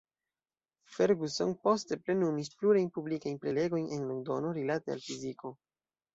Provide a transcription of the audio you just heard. Ferguson poste plenumis plurajn publikajn prelegojn en Londono rilate al fiziko.